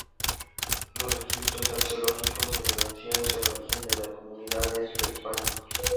Los registros arqueológicos evidencian que el origen de la comunidad es prehispánico.